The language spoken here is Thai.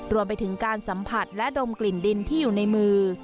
รวมไปถึงการสัมผัสและดมกลิ่นดินที่อยู่ในมือ